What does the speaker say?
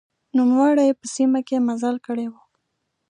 نوموړي په سیمه کې مزل کړی و.